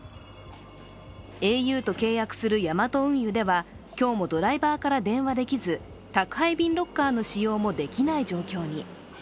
ａｕと契約するヤマト運輸では、今日もドライバーから電話できず宅配便ロッカーの使用もできない状況に。